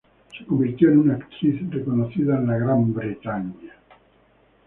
Se convirtió en una actriz reconocida en Gran Bretaña.